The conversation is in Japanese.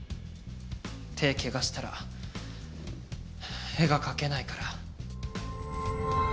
手怪我したら絵が描けないから。